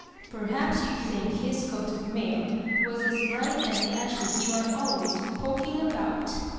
"Perhaps you think his coat of mail was as bright as the ashes you are always poking about!"